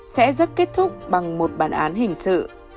sẽ rất kết thúc bằng một bản án hình sự